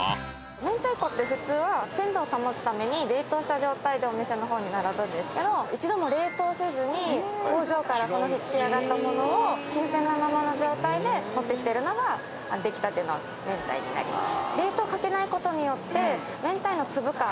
明太子って普通は鮮度を保つために冷凍した状態でお店の方に並ぶんですけど一度も冷凍せずに工場からその日漬け上がったものを新鮮なままの状態で持ってきてるのができたての明太になります。